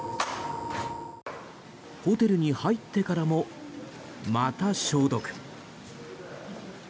ホテルに入ってからもまた消毒。